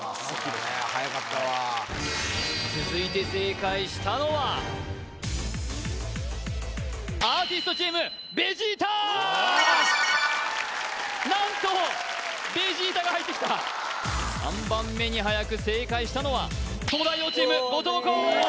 さすがねはやかったわ続いて正解したのはアーティストチームベジータよし何とベジータが入ってきた３番目にはやく正解したのは東大王チーム後藤弘おお